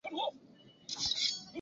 台湾大百科全书